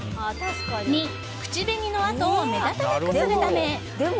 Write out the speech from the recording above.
２、口紅の跡を目立たなくするため。